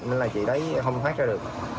nên là chị đấy không thoát ra được